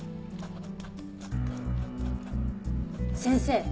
先生。